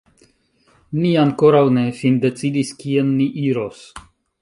Ni ankoraŭ ne findecidis kien ni iros.